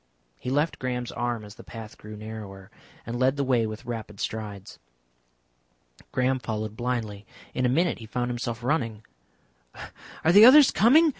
He left Graham's arm as the path grew narrower, and led the way with rapid strides. Graham followed blindly. In a minute he found himself running. "Are the others coming?"